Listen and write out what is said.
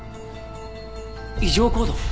異常行動？